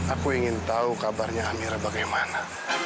aku ingin tahu kabarnya amir bagaimana